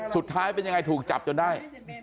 สุดท้ายเป็นยังไงถูกจับจนได้